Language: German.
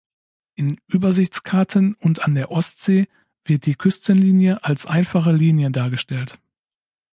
In Übersichtskarten und an der Ostsee wird die Küstenlinie als einfache Linie dargestellt.